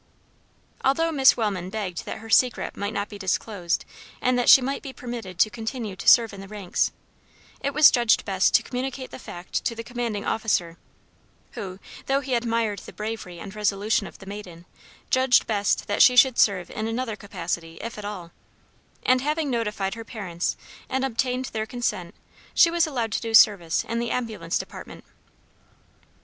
Although Miss Wellman begged that her secret might not be disclosed and that she might be permitted to continue to serve in the ranks, it was judged best to communicate the fact to the commanding officer, who, though he admired the bravery and resolution of the maiden, judged best that she should serve in another capacity if at all, and having notified her parents and obtained their consent she was allowed to do service in the ambulance department.